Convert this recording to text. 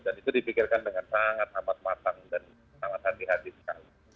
dan itu dipikirkan dengan sangat amat matang dan sangat hati hati sekali